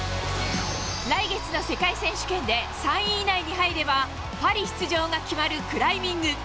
来月の世界選手権で、３位以内に入れば、パリ出場が決まるクライミング。